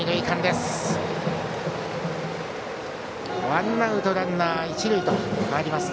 ワンアウトランナー、一塁です。